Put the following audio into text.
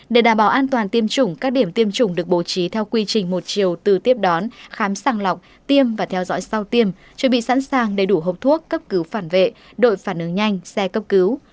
để đảm bảo an toàn tiêm chủng các điểm tiêm chủng được bố trí theo quy trình một chiều từ tiếp đón khám sàng lọc tiêm và theo dõi sau tiêm chuẩn bị sẵn sàng đầy đủ hộp thuốc cấp cứu phản vệ đội phản ứng nhanh xe cấp cứu